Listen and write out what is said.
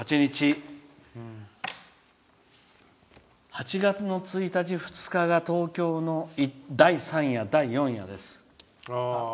８月の１日、２日が東京の第３夜、第４夜です。